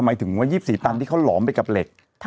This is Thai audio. หมายถึงว่า๒๔ตันที่เขาหลอมไปกับเหล็ก